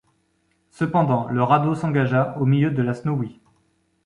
Cependant, le radeau s’engagea au milieu de la Snowy.